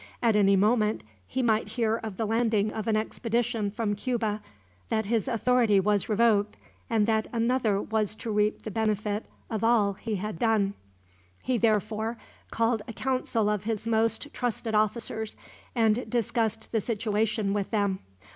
At any moment he might hear of the landing of an expedition from Cuba, that his authority was revoked, and that another was to reap the benefit of all he had done. He therefore called a council of his most trusted officers, and discussed the situation with them.